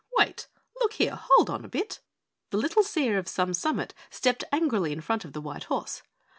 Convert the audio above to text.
"Wait! Look here, hold on a bit." The little Seer of Some Summit stepped angrily in front of the white horse.